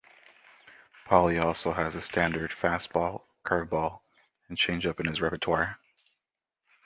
Pauley also has the standard fastball, curveball, and changeup in his repertoire.